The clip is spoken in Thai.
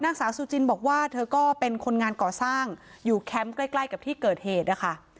นางสาวซูจินบอกว่าเธอก็เป็นคนงานก่อสร้างอยู่แคมป์ใกล้ใกล้กับที่เกิดเหตุนะคะ